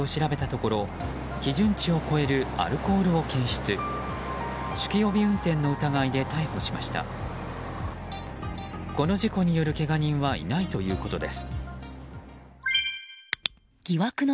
この事故によるけが人はいないということです。